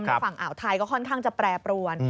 ฝั่งอ่าวไทยก็ค่อนข้างจะแปรปรวน